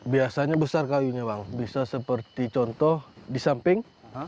biasanya besar kayunya bang bisa seperti contoh di samping